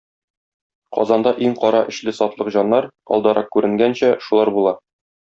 Казанда иң кара эчле сатлык җаннар, алдарак күренгәнчә, шулар була.